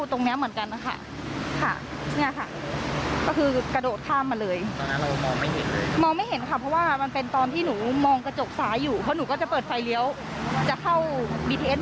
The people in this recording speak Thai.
ตรงเนี้ยเนี่ยค่ะตัดมาปุ๊บนุ่นเปลี่ยวก็เลยลง